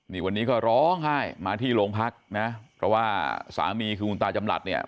นี่วันนี้ก็ร้องไห้มาที่โรงพักนะเพราะว่าสามีคือคุณตาจำหลัดเนี่ย